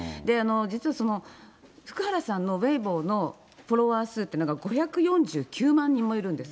実は福原さんのウェイボーのフォロワー数というのは、５４９万人もいるんです。